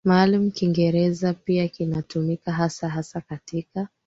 maalumu Kiingereza pia kinatumika hasa hasa katika